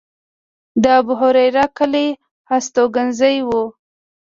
د ابوهریره کلی هستوګنځی و.